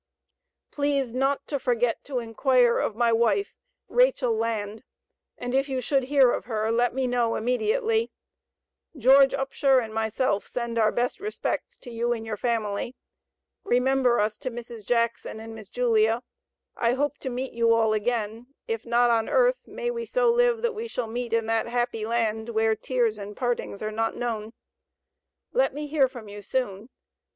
Please not to forget to inquire of my wife, Rachel Land, and if you should hear of her, let me know immediately, George Upshur and myself send our best respects to you and your family. Remember us to Mrs. Jackson and Miss Julia. I hope to meet you all again, if not on earth may we so live that we shall meet in that happy land where tears and partings are not known. Let me hear from you soon.